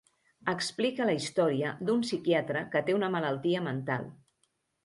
Explica la història d'un psiquiatre que té una malaltia mental.